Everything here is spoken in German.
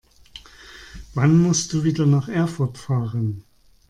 Wann musst du wieder nach Erfurt fahren?